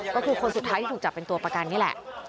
ก็คือคนสุดท้ายที่ถูกจับเป็นตัวประกันนี่แหละ